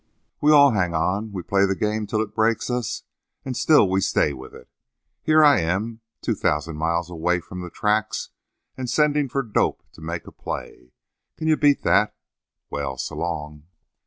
"We all hang on. We play the game till it breaks us and still we stay with it. Here I am, two thousand miles away from the tracks and sending for dope to make a play! Can you beat that? Well, so long."